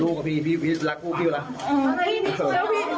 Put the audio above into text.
ลูกกับพี่พี่รักลูกกับพี่แล้ว